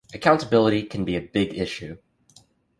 Accountability can be a big issue.